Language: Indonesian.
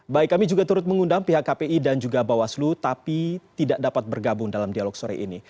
baik kami juga turut mengundang pihak kpi dan juga bawaslu tapi tidak dapat bergabung dalam dialog sore ini